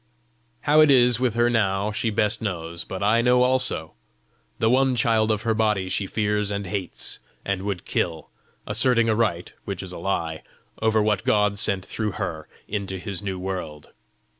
How it is with her now, she best knows, but I know also. The one child of her body she fears and hates, and would kill, asserting a right, which is a lie, over what God sent through her into His new world.